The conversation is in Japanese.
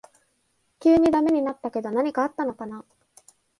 急にダメになったけど何かあったのかな